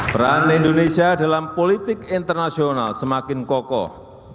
peran indonesia dalam politik internasional semakin kokoh